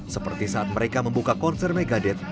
seperti saat mereka membuka konser megaded